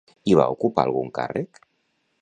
I va ocupar algun càrrec?